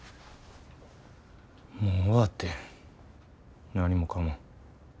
もう終わってん何もかも。